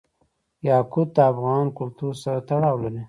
یاقوت د افغان کلتور سره تړاو لري.